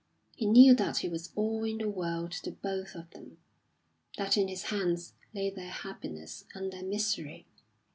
He knew that he was all in the world to both of them, that in his hands lay their happiness and their misery.